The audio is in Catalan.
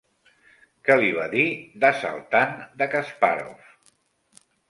Què li va dir d'assaltant de Kaspàrov?